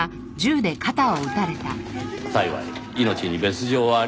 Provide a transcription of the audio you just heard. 幸い命に別条はありませんでしたが。